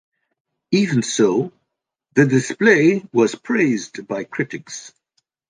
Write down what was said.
Even so, the display was praised by critics.